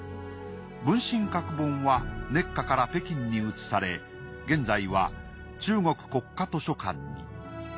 文津閣本は熱河から北京に移され現在は中国国家図書館に。